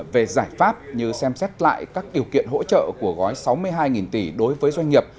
về giải pháp như xem xét lại các điều kiện hỗ trợ của gói sáu mươi hai tỷ đối với doanh nghiệp